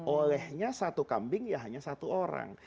olehnya satu kambing ya hanya satu orang